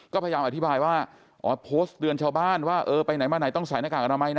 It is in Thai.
ก็พยายามอธิบายว่าอ๋อโพสต์เตือนชาวบ้านว่าเออไปไหนมาไหนต้องใส่หน้ากากอนามัยนะ